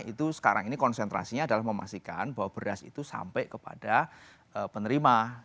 itu sekarang ini konsentrasinya adalah memastikan bahwa beras itu sampai kepada penerima